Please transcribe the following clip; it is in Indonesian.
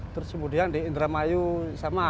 terus kemudian di indramayu sama